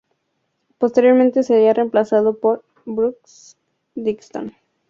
Posteriormente sería reemplazado por Bruce Dickinson.